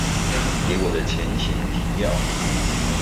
給我的前情提要